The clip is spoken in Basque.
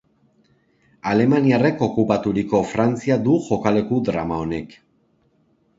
Alemaniarrek okupaturiko Frantzia du jokaleku drama honek.